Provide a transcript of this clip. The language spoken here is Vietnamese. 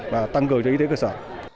và tăng cười cho y tế cơ sở